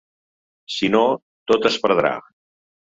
Si no, tot es perdrà.